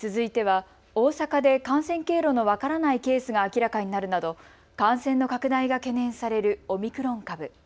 続いては大阪で感染経路の分からないケースが明らかになるなど感染の拡大が懸念されるオミクロン株。